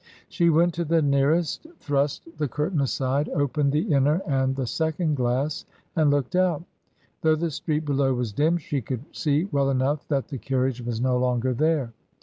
She went to the nearest, thrust the curtain aside, opened the inner and the second glass and looked out. Though the street below was dim, she could see well enough that the carriage was no longer there.